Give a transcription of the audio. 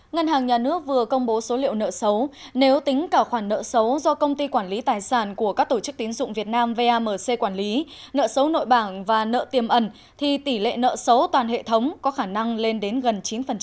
ngân hàng nhà nước vừa công bố số liệu nợ xấu nếu tính cả khoản nợ xấu do công ty quản lý tài sản của các tổ chức tín dụng việt nam vamc quản lý nợ xấu nội bảng và nợ tiềm ẩn thì tỷ lệ nợ xấu toàn hệ thống có khả năng lên đến gần chín